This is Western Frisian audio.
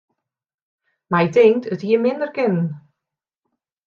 My tinkt, it hie minder kinnen.